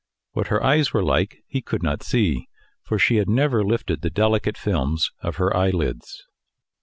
What her eyes were like he could not see, for she had never lifted the delicate films of her eyelids.